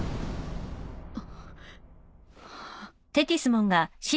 あっ。